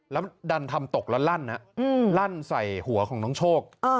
แล้วดันทำตกแล้วลั่นลั่นใส่หัวของน้องโชค